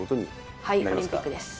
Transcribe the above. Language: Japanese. はい、オリンピックです。